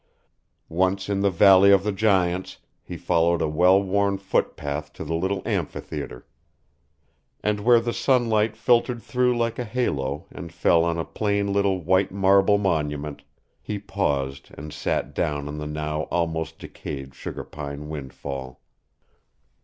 Once in the Valley of the Giants, he followed a well worn foot path to the little amphitheatre, and where the sunlight filtered through like a halo and fell on a plain little white marble monument, he paused and sat down on the now almost decayed sugar pine windfall.